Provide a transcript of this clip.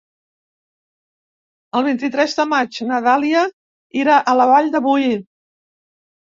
El vint-i-tres de maig na Dàlia irà a la Vall de Boí.